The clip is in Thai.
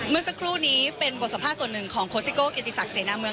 เมื่อสักครู่นี้เป็นบทสภาพส่วนหนึ่งของโคสิโกจิติศักดิ์เสนามุน